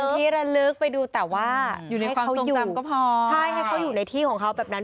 ใช่ให้เขาอยู่ในที่ของเขาแบบนั้น